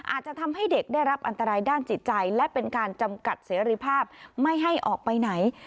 อาจจะทำให้เด็กได้รับอันตรายด้านจิตใจและเป็นการจำกัดเสรีภาพไม่ให้ออกไปไหน